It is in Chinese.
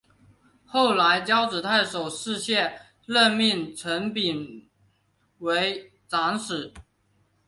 后来交趾太守士燮任命程秉为长史。